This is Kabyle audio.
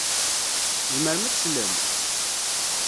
Tzemrem ad teslem?